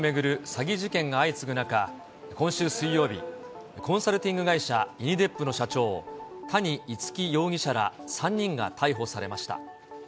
詐欺事件が相次ぐ中、今週水曜日、コンサルティング会社、イニデップの社長、谷逸輝容疑者ら、３人が逮捕されました。